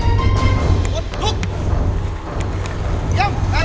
จากหมายถามใคร